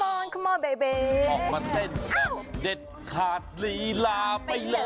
ว่าเบเบออกมาเต้นแบบเด็ดขาดลีลาไปเลย